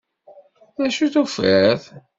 D acu tufiḍ?